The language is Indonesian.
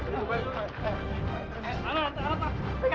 lalu lalu pak